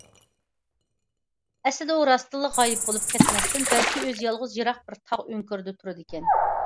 ئەسلىدە ئۇ راستتىنلا غايىب بولۇپ كەتمەستىن، بەلكى ئۆزى يالغۇز يىراق بىر تاغ ئۆڭكۈرىدە تۇرىدىكەن.